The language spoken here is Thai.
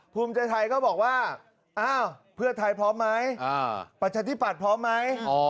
ภูมิใจไทยก็บอกว่าอ้าวเพื่อไทยพร้อมไหมประชาธิปัตย์พร้อมไหม